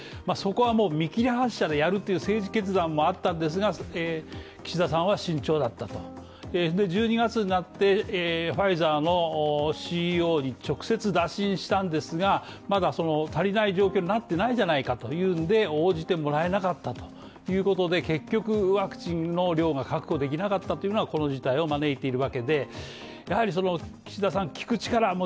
そこはもう見切り発車でやるという政治決断もあったんですが、岸田さんは慎重だったと１２月になってファイザーのＣＥＯと直接打診したんですがまだ足りない状況になってないじゃないかというんで応じてもらえなかったということで結局ワクチンの量が確保できなかったというのはこの事態を招いているわけでやはりその岸田さん聞く力